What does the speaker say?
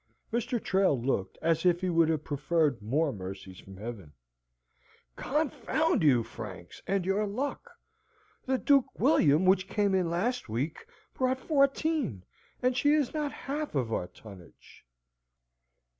Mr. Trail looked as if he would have preferred more mercies from Heaven. "Confound you, Franks, and your luck! The Duke William, which came in last week, brought fourteen, and she is not half of our tonnage."